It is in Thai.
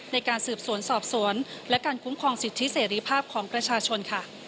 ในการสืบสวนสอบสวนและการคุ้มครองสิทธิเสรีภาพของประชาชนค่ะ